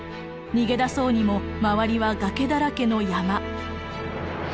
逃げ出そうにも周りは崖だらけの山。